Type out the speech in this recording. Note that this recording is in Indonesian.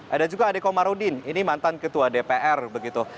ada juga adeko marudin ini mantan ketua dpr begitu